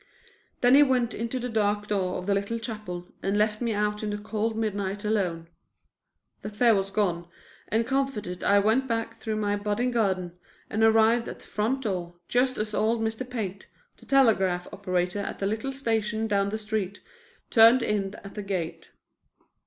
Then he went into the dark door of the little chapel and left me out in the cold midnight alone. The fear was gone, and comforted I went back through my budding garden and arrived at the front door just as old Mr. Pate, the telegraph operator at the little station down the street, turned in at the gate.